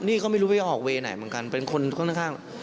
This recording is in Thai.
นี่เขาไม่รู้ว่าจะออกเวย์ไหนเหมือนกันเป็นคนข้าง